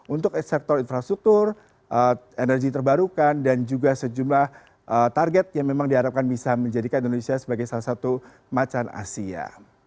untuk sektor infrastruktur energi terbarukan dan juga sejumlah target yang memang diharapkan bisa menjadikan indonesia sebagai salah satu macan asia